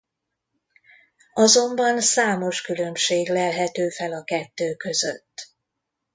Azonban számos különbség lelhető fel a kettő között.